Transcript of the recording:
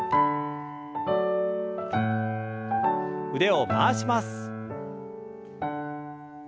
腕を回します。